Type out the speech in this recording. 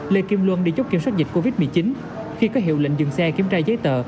lê kim luân đi chốt kiểm soát dịch covid một mươi chín khi có hiệu lệnh dừng xe kiểm tra giấy tờ